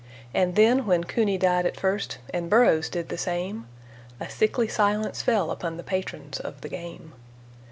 And then when Cooney died at first, and Burrows did the same, A sickly silence fell upon the patrons of the game.